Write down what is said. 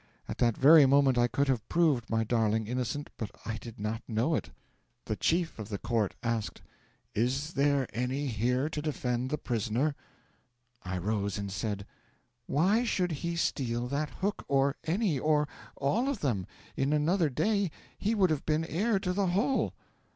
At that very moment I could have proved my darling innocent, but I did not know it! 'The chief of the court asked: '"Is there any here to defend the prisoner?" 'I rose and said: '"Why should he steal that hook, or any or all of them? In another day he would have been heir to the whole!"